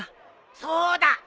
そうだ！